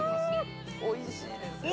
おいしいですよね